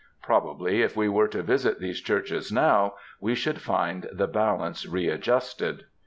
'* Probably if we were to visit these churches now we should find the balance readjusted.